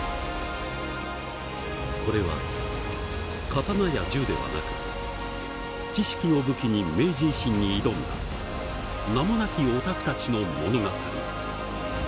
これは刀や銃ではなく知識を武器に明治維新に挑んだ名もなきオタクたちの物語。